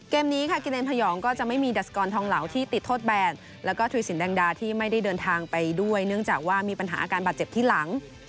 เกมนี้ค่ะกิเลนพยองก็จะไม่มีดัชกรทองเหลาที่ติดโทษแบนแล้วก็ทุยสินแดงดาที่ไม่ได้เดินทางไปด้วยเนื่องจากว่ามีปัญหาอาการบาดเจ็บที่หลัง